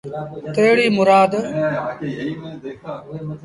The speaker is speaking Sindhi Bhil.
تيڙيٚ مُرآد